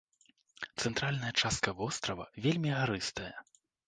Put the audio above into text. Цэнтральная частка вострава вельмі гарыстая.